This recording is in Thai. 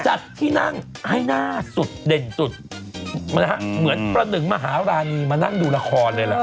จัดที่นั่งให้หน้าสุดเด่นสุดนะฮะเหมือนประหนึ่งมหารานีมานั่งดูละครเลยล่ะ